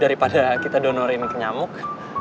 daripada kita donorin kenyamuk